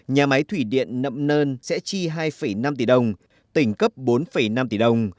nhà máy thủy điện nậm nơn sẽ chi hai năm tỷ đồng tỉnh cấp bốn năm tỷ đồng